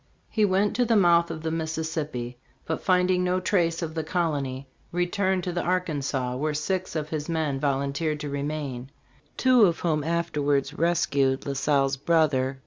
He went to the mouth of the Mississippi, but find ing no trace of the colony, returned to the Arkansas, where six of his men volunteered to remain, two of whom afterwards rescued La Salle's brother.